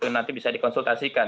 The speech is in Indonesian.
nanti bisa dikonsultasikan